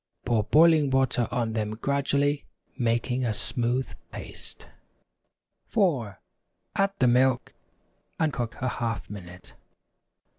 Pour boiling water on them gradually, making a smooth paste. 4. Add the milk, and cook a half minute.